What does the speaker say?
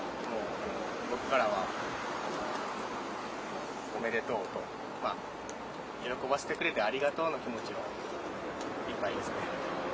僕からは、おめでとうと喜ばせてくれてありがとうの気持ちでいっぱいですね。